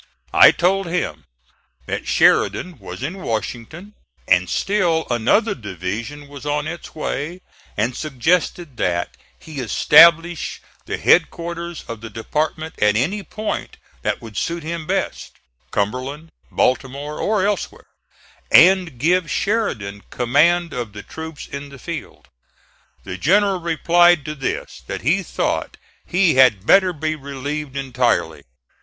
(*39) I told him that Sheridan was in Washington, and still another division was on its way; and suggested that he establish the headquarters of the department at any point that would suit him best, Cumberland, Baltimore, or elsewhere, and give Sheridan command of the troops in the field. The general replied to this, that he thought he had better be relieved entirely.